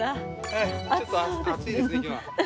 ええちょっと暑いですね今日は。